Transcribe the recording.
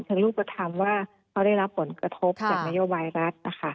ทั้งลูกก็ทำว่าเขาได้รับผลกระทบจากนโยบายรักนะคะ